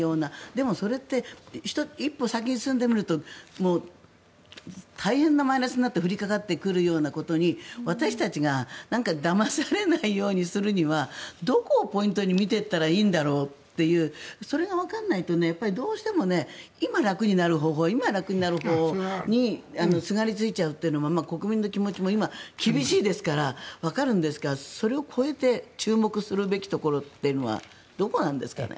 でも、それって一歩先に進んでみると大変なマイナスになって降りかかってくるようなことに私たちがだまされないようにするにはどこをポイントに見ていったらいいんだろうっていうそれがわからないとどうしても今、楽になる方法にすがりついちゃうというのも国民の気持ちも今厳しいですからわかるんですがそれを超えて注目するべきところってどこなんですかね。